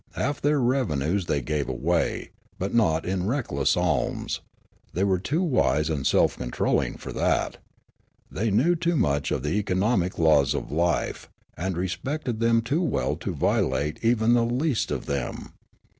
Half their revenues the}' gave away, but not in reckless alms ; they were too wise and self controlling for that ; they knew too much of the economic laws of life, and Abstinence 67 respected them too well to violate even the least of them.